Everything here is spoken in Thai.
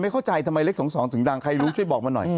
เข้าใจทำไมเลข๒๒ถึงดังใครรู้ช่วยบอกมาหน่อย